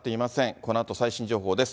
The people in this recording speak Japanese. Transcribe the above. このあと最新情報です。